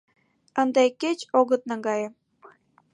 Ынде кеч огыт наҥгае.